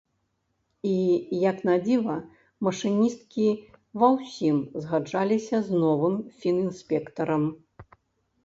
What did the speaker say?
І, як надзіва, машыністкі ва ўсім згаджаліся з новым фінінспектарам.